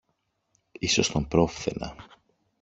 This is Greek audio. ίσως τον πρόφθαινα.